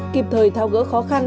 kịp thời thao gỡ khó khăn